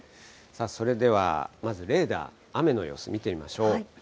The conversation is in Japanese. それではまずレーダー、雨の様子見てみましょう。